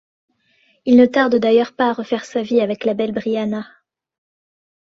Il ne tarde d'ailleurs pas à refaire sa vie avec la belle Brianna...